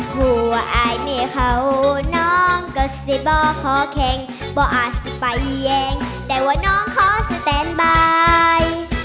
หัวอายแม่เขาน้องก็สิบอกขอแข่งบ่อาจจะไปแย้งแต่ว่าน้องขอสแตนบาย